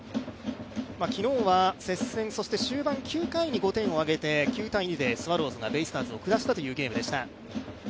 昨日は接戦、そして終盤９回に５点を挙げて９−２でスワローズがベイスターズを下したという一戦でした。